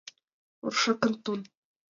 «Орша кантон.